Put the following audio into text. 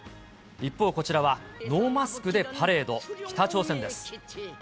一方、こちらはノーマスクでパレード、北朝鮮です。